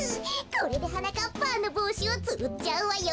これではなかっぱんのぼうしをつっちゃうわよ。